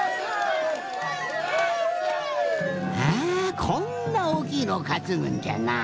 あこんなおおきいのをかつぐんじゃな。